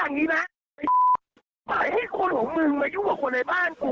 ไอ้ถ่ายให้คนของมึงมายุ่งกับคนในบ้านกู